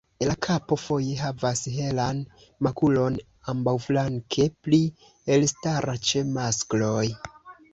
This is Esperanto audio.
La kapo foje havas helan makulon ambaŭflanke, pli elstara ĉe maskloj.